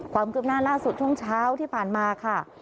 ความคืบหน้าล่าสุดช่วงเช้าที่ผ่านมาค่ะ